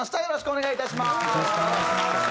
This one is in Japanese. よろしくお願いします。